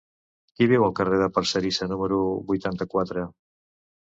Qui viu al carrer de Parcerisa número vuitanta-quatre?